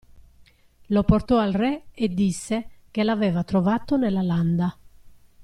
Lo portò al re e disse che l'aveva trovato nella landa.